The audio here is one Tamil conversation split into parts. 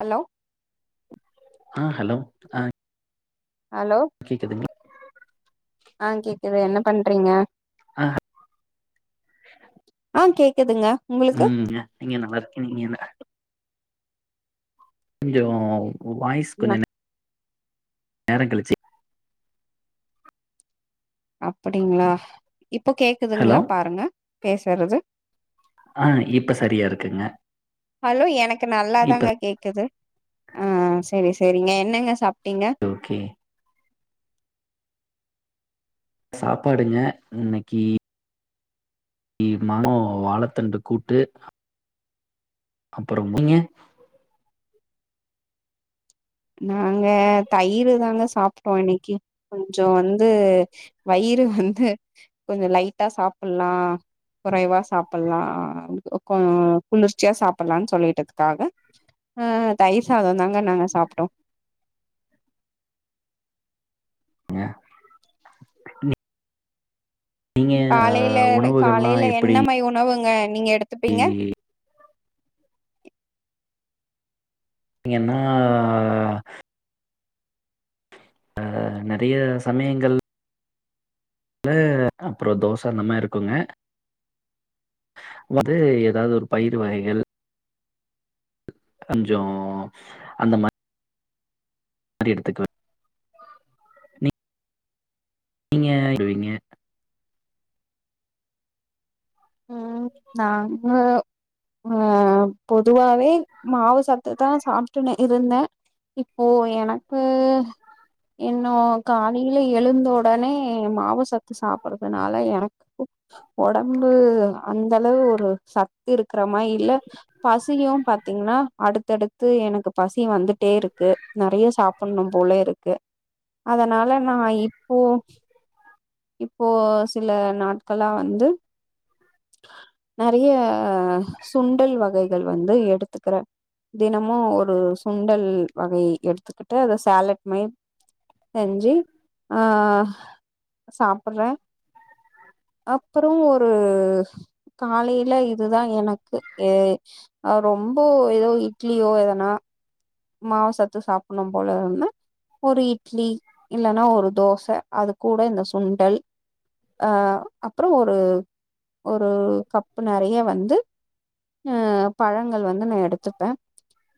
ஹலோ ஆ ஹலோ ஹலோ கேக்குதுங் ஆ கேக்குது என்ன பண்றீங்க ஆ ஆ கேக்குதுங்க உங்களுக்கு ம் நீங்க நல்லா இருக்கீ நீங்களா இங்க வாய்ஸ் கொஞ்ச நா நே நேரங் கழிச்சு அப்டிங்களா இப்போ ஹலோ கேக்குதுங்களா பாருங்க பேசறது ஆ இப்ப சரியாஇருக்குங்க ஹலோ எனக்கு நல்லாதாங்க கேக்கது ஆ செரி செரிங்க என்னங்க சாப்ட்டீங்க கே சாப்பாடுங்க இன்னைக்கி இமனோ வாழத்தண்டு கூட்டு அப்பறம் நீங்க நாங்க தயிர் தாங்க சாப்ட்டோ இன்னைக்கி கொஞ்ச வந்து வயிறு வந்து கொஞ்ச லைட்டா சாப்பல்லா குறைவா சாப்பல்லா குளிர்ச்சியா சாப்பல்லாம்னு சொல்லிட்டதுக்காக அ தயிர் சாத தாங்க நாங்க சாப்பிட்டோ ஏ [inaudible] காலையில உணவுகள்லா காலையில எப்டி என்ன மாரி உணவுங்க நீங்க எடுத்துப்பீங்க நீங்க என்னா ஆ நெறைய சமயங்கள் அப்பற தோச அந்த மாரி இருக்குங்க வந்து ஏதாவது ஒரு பயிர் வகைகள் கொஞ்சோ அந்த மாரி அப்டி எடுத்துகு நீ நீங்க செரிங்க ம் நாங்க ஆ பொதுவாவே மாவு சத்து தா சாப்ட்டுன்னு இருந்தே இப்போ எனக்கு இன்னு காலையில எழுந்த ஒடனே மாவு சத்து சாப்றதுனால எனக் ஆ உடம்பு அந்த அளவு ஒரு சத் து இருக்கிறமா இல்ல பசியு பாத்தீங்கன்னா அடுத்தடு த்து எனக்கு பசி வந்துட்டே இருக்கு நெறைய சாப்புன்னு போல இருக்கு அதனால நா இப்போ இப்போ சில நாட்களாக வந்து நெறைய சுண்டல் வகைகள் வந்து எடுத்துக்கிற தினமு ஒரு சுண்டல் வகை எடுத்துக்கிட்டு அத சேலட்மெ செஞ்சி ஆ சாப்புறே அப்பறோ ஒரு காலையில இதுதா எனக்கு ஏ அ ரொம்ப ஏதோ இட்லியோ எதனா மாவுசத்து சாப்பிடனு போல இருந்த ஒரு இட்லி இல்லைன்னா ஒரு தோச அது கூட இந்த சுண்டல் அ அப்பறோ ஒரு ஒரு கப்பு நெறைய வந்து [unintelligible] பழங்கள் வந்து நா எடுத்துப்பே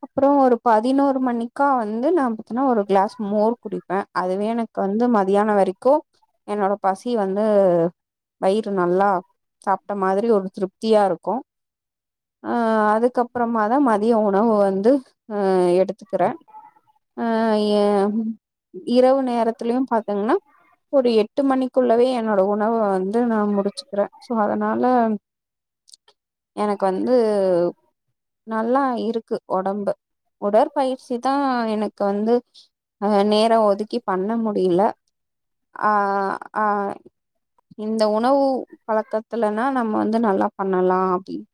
அப்பறோ ஒரு பதினோரு மணிக்க வந்து நா [unintelligible] ஒரு க்ளாஸ் மோர் குடிப்பே அதுவே எனக் கு வந்து மதியான வரைக்கு என்னோட பசி வந்து வயிறு நல்லா சாப்ட்ட மாதிரி ஒரு திருப்தியா இருக்கு அ அதுக்கப்புறமா தா மதிய உணவு வந்து அ எடுத்துக்கிறே அ எ இரவு நேரத்திலயு பாத்தீங்கன்னா ஒரு எட்டு மணிக்குள்ளவே என்னோட உணவ வந்து நா முடிச்சுக்கிறே சோ அதனால ம் எனக்கு வந்து நல்லா இருக்கு ஒடம்பு உடற்பயிற்சி தா எனக்கு வந்து அ நேரோ ஒதுக்கி பண்ண முடியில அ அ இந்த உணவு பழக்கத்துலன்னா நம்ம வந்து நல்லா பண்ணலா அப்டின்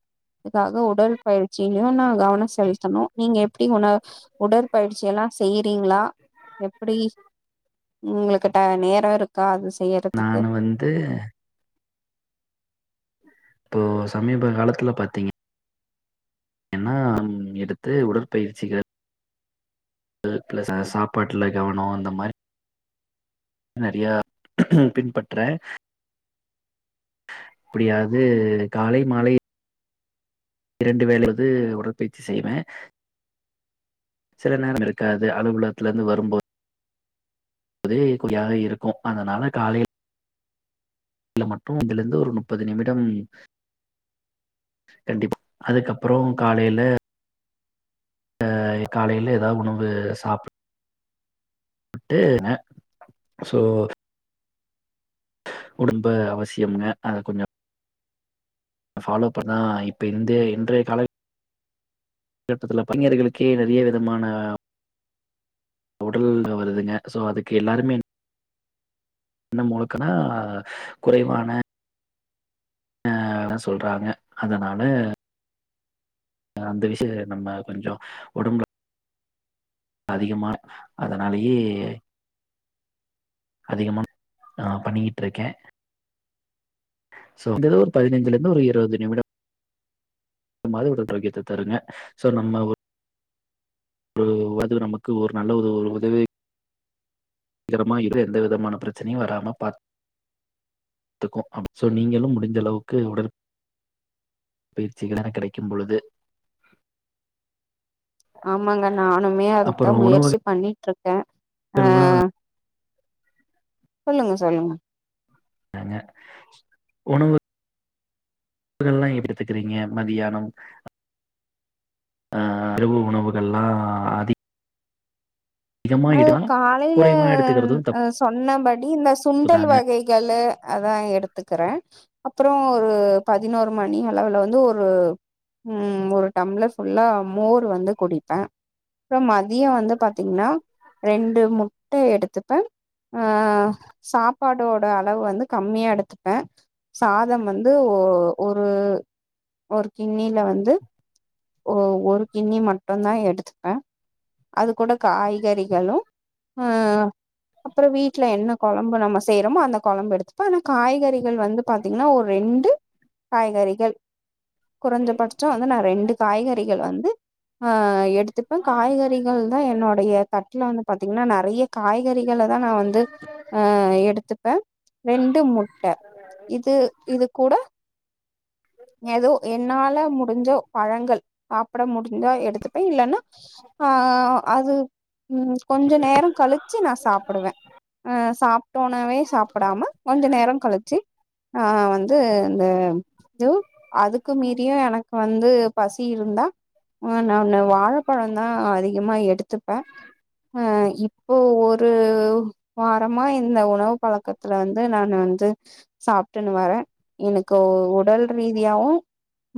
அதுக்காக உடல் பயிற்சிலியு நா கவனோ செலுத்தணு நீங்க எப்டி உண உடற்பயிற்சி எல்லா செய்யிறீங்களா எப்டி உங்களுக்ட்ட நேர இருக்கா அத நானு வந்து இப்போ சமீப காலத்துல பாத்தீங்க ன்னா எடுத்து உடற்பயிற்சிகள் பிளஸ்ஸா சாப்பாட்டுல கவனோ அந்த மாரி நெறையா பின்பற்ற ப்டியாது காலை மாலை இரண்டு வேலயது உடற்பயிற்சி செய்வே சில நேரம் இருக்காது அலுவலகத்தல இருந்து வருபோ து [unintelligible] இருக்கு அதனால காலையி ல மட்டு இதுல இருந்து ஒரு முப்பது நிமிட கண்டிப்பா அதுக்கப்பறோ காலையில ஆ காலையில ஏதாவது உணவு சாப் சோ உடும்பு அவஸ்யம்ங்க அத கொஞ்சோ ஃபாலோ பண்ணா இப்ப இந்த இன்றைய கால கட்டத்துல பையர்களுக்கே நெறைய விதமான உடல் இருந்து வருதுங்க சோ அதுக்கு எல்லாருமே என்ன முழுக்கனா குறைவான ஆ சொல்றாங்க அதனால அந்த விஷயத்துல நம்ப கொஞ்சொ ஒடம்புல அதிகமா அதனாலியே அதிகமா நா பண்ணிகிட்ருக்கே சோ வந்தது ஒரு பதினஞ்சலந்து ஒரு இருவது நிமிடம் மாத ஒரு துரோக்கியத்த தருங்க சோ நம்ம ஒரு [unintelligible] அது நமக்கு ஒரு நல்ல ஒரு உதவி கிரமா இரு இது எந்த விதமான பிரச்சனையு வராம பாத் த்துக்கு சோ நீங்களு முடிஞ்ச அளவுக்கு உடல் பயிற்சிகள் என கிடைக்கூ பொழுது ஆமாங்க நானுமே அதுக் தா அப்புறம் உணவு முயற்சி பண்ணிட்ருக்கே ஆ சொல்லுங்க சொல்லுங்க அங்க உணவு லன்னா ஏ கத்துக்குறீங்க மதியானம் ஆ இரவு உணவுகள்லா அதி அ காலைல குறைவா எடுத்துக்கிறது அ சொன்னே பாட்டி இந்த தப்பு சுண்டல் தாங்க வகை கள்ளு அதா எடுத்துக்குறே அப்றோ ஒரு பதினோர் மணி அளவுல வந்து ஒரு ம் ஒரு டம்ளர் புல்லா மோர் வந்து குடிப்ப ப்றோ மதியோ வந்து பாத்தீங்ன்னா ரெண்டு முட்ட எடுத்துப்பே ஆ சாப்பாடோட அளவு வந்து கம்மியா எடுத்துப்ப சாதம் வந்து ஒரு ஒரு கிண்ணில வந்து ஓ ஒரு கிண்ணி மட்டுந்தா எடுத்துப்பே அது கூட காய்கறி ல்லு ஆ அப்புறோ வீட்ல என்ன கொழம்பு நம்ம செய்றோமோ அந்த கொழம்பு எடுத்துப்பே அனா காய்கறிகள் வந்து பாத்தீங்னா ஒர் ரெண்டு காய்கறிகள் குறஞ்சபட்ச வந்து நா ரெண்டு காய்கறிகள் வந்து ஆ எடுத்துப்பே காய்கறிகள் தா என்னுடைய தட்ல வந்து பாத்தீங்கன்னா நெறைய காய்கறிகளதா நா வந்து ஆ எடுத்துப்பே ரெண்டு முட்ட இது இது கூட எதோ என்னால முடிஞ்ச பழங்கள் சாப்ட முடிஞ்சா எடுத்துப்பே இல்லன்னா ஆ அது ம் கொஞ்சோ நேர கழிச்சு நா சாப்பிடுவே அ சாப் தொனாவே சாப்டாம கொஞ்ச நேரொ கழிச்சு ஆ வந்து இந்த து அதுக்கு மீறியு எனக்கு வந்து பசி இருந்தா அ நானு வாழபழந்தா அதிகமா எடுத்துப்ப அ இப்போ ஒரு வாரமா இந்த உணவு பழக்கத்துல வந்து நானு வந்து சாப்டுனு வர எனக்கு உடல் ரீதியாவு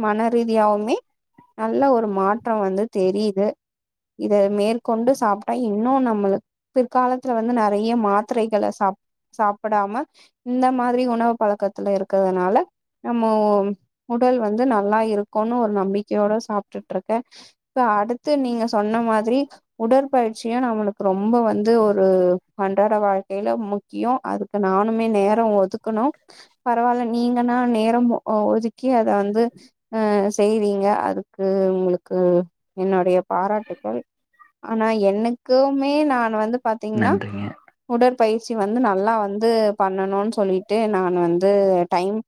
மனரீதியாவுமே நல்ல ஒரு மாற்றம் வந்து தெரியுது இத மேற்கொண்டு சாப்ட்டா இன்னு நம்மளு பிற்காலத்துல வந்து நெறைய மாத்திரைகள சாப் சாப்டாம இந்த மாதிரி உணவு பழக்கத்துல இருக்கறதுனால நம்மோ உடல் வந்து நல்லா இருக்குனு ஒரு நம்பிக்கையோட சாப்டுட்டுருக்க இப்ப அடுத்து நீங்க சொன்ன மாதிரி உடற்பயிற்சியு நம்மளுக்கு ரொம்ப வந்து ஒரு அன்றாட வாழ் க்கைல முக்கியோ அதுக்கு நானுமே நேர ஒதுக்கணு பரவால்ல நீங்கனா நேரம் ஒதுக்கி அத வந்து அ செய்வீங்க அதுக்கு உங்களுக்கு என்னுடைய பாராட்டுக்கள் ஆனா எனக்குமே நான் வந்து பாத்தீங்கனா நன்றிங்க உடற்பயிற்சி வந்து நல்லா வந்து பண்ணணுன்னு சொல்லிட்டு நா வந்து டைம்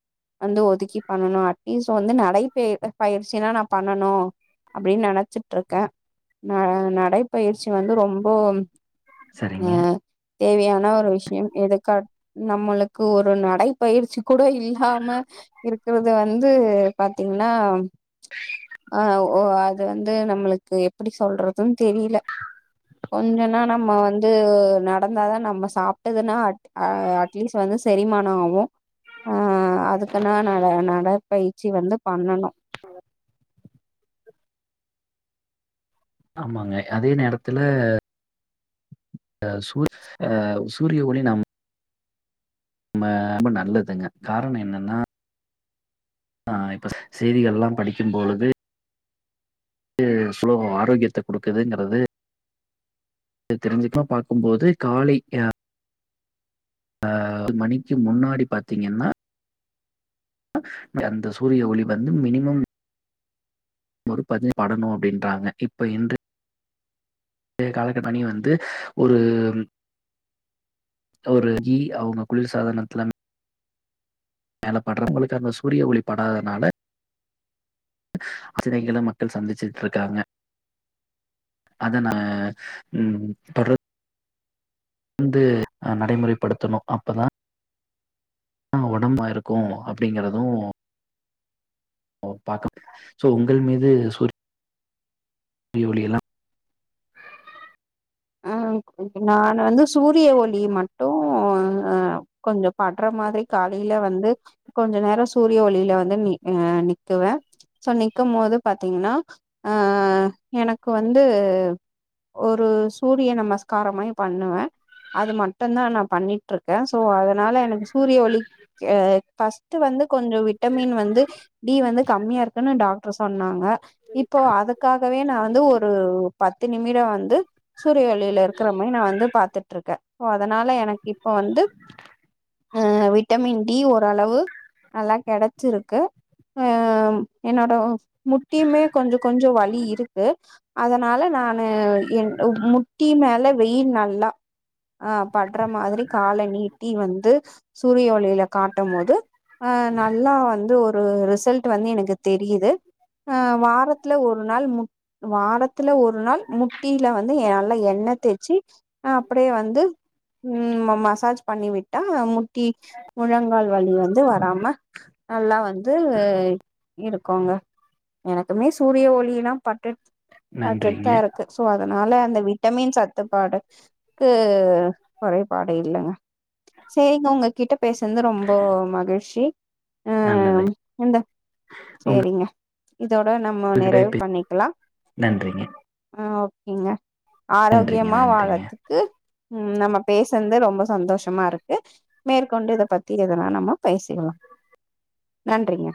வந்து ஒதுக்கி பண்ணனு அட்லீஸ்ட் வந்து நடை பயிற் பயிற்சிலா நா பண்ணனு அப்டினு நெனச்சிட்ருக்கே ந நடைப்பயிற்சி வந்து ரொம்போ செர் ம் தேவையான ஒரு விஷயம் எதுக்காட் நம்மளுக் ஒரு நடைப்பயிற்சி கூட இல்லாம இருக்கறது வந்து பாத்தீங்கனா ஆ ஒ அது வந்து நம்மளுக்கு எப்டி சொல்றதுனு தெர்ல கொஞ்சனா நம்ம வந் து நடந்தா தா நம்ம சாப்டதுனா அ அட்லீஸ்ட் வந்து செரிமான ஆவு ஆ அதுக்குனா நட நடப்பயிற்சி வந்து பண்ணணு ஹ ஆமாங்க அதே நேரதுல அ சூ அ சூரிய ஒளி நம் ம ரொம்ப நல்லதுங்க காரண என்னனா அ இப்ப செய்திகள்லா படிக்குபொழுது இ சுலபு ஆரோக்கியத்த குடுக்குதுங்றது இத தெரிஞ்சுக்மா பாக்குபோது காலை அ ஒரு மணிக்கு முன்னாடி பாத்தீங்கனா அந்த சூரிய ஒளி வந்து மினிமம் ஒரு பதி படணு அப்டின்றாங்க இப்ப இன் றைய கால பனி வந்து ஒரு ஒரு கீ அவங்க குளிர் சாதனதுல மேல படுறவங்களுக் அந்த சூரிய ஒளி படாதனால அச்சனைகள மக்கள் சந்திச்சிட்ருக்காங்க அத நா ம் தொட வந்து அ நடைமுறைபடுத்தணு அப்பதா ஆ ஒடம்பா இருக்கு அப்டிங்கறது ஓ பாக்க சோ உங்கள் மீது சூர் ய ஒளியலா ஆ இப்ப நானு வந்து சூரிய ஒளி மட்டு அ கொஞ்ச பட்ற மாரி காலையில வந்து கொஞ்ச நேரோ சூரிய ஒளியில வந்து நி அ நிக்குவே சோ நிக்கம்போது பாத்தீங்கன்னா அ எனக்கு வந்து ஒரு சூரிய நமஸ்காரம் மாரி பண்ணுவ அது மட்டுந்தா நான் பண்ணிட்ருக்கே சோ அத அதனால எனக்கு சூரிய ஒளிக் ஆ ஃபர்ஸ்ட்டு வந்து கொஞ்சோ விட்டமின் வந்து டி வந்து கம்மியா இருக்குன்னு டாக்டர் சொன்னாங்க இப்போ அதுக்காகவே நா வந்து ஒரு பத்து நிமிடோ வந்து சூரிய ஒளியில இருக்ற மாரி நா வந்து பாத்துட்ருக்க சோ அதனால எனக்கு இப்ப வந்து ஆ விட்டமின் டி ஓரளவு நல்லா கெடைச்சிருக்கு அ என்னோட முட்டியுமே கொஞ்சோ கொஞ்சோ வலி இருக்கு அதனால நானு என் முட்டி மேல வெயில் நல்லா ஆ பட்ற மாதிரி கால நீட்டி வந்து சூரிய ஒளியில காட்டும் போது அ நல்லா வந்து ஒரு ரிசல்ட் வந்து எனக்கு தெரியிது ஆ வாரத்துல ஒரு நாள் முட் வாரத்துல ஒரு நாள் முட்டி ட்ல வந்து நல்லா எண்ணெ தேச்சு அப்டியே வந்து ம் மசாஜ் பண்ணி விட்டா முட்டி முழங்கால் வலி வந்து வராம நல்லா வந்து இருக்குங்க எனக்குமே சூரிய ஒளியல்லாம் பட்டுட் பாத்துட் நன்றிங்க. தா இருக்கு சோ அதனால அந்த விட்டமின் சத்துப்பாடுக்கு குறைபாடு இல்லைங்க சேரிங்க உங்ககிட்ட பேசுறது ரொம்ப மகிழ்ச்சி நல்லது எந்த சேரிங்க இதோட நம்ம உங்ககிட்ட நிறைவு பே பண்ணிக்கலா நன்றிங்க, அ ஓகேங்க நன்றிங்க, ஆரோக்கியமா நன்றிங்க. வாழறதுக்கு ம் நம்ம பேசுறது ரொம்ப சந்தோஷமா இருக்கு மேற்கொண்டு இது பத்தி இதெல்லாம் நம்ம பேசிக்கலாம் நன்றிங்க